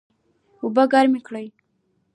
اوبه ګرمې کړئ